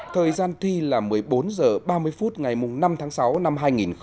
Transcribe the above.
thời gian thi là một mươi bốn h ba mươi phút ngày năm tháng sáu năm hai nghìn hai mươi